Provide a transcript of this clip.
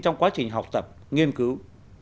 trong quá trình học tập nghiên cứu